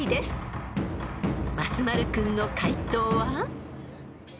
［松丸君の解答は？］